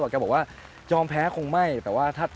คุณต้องเป็นผู้งาน